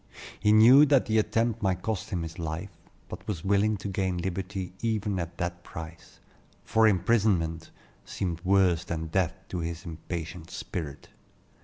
He knew that the attempt might cost him his life, but was willing to gain liberty even at that price; for imprisonment seemed worse than death to his impatient spirit.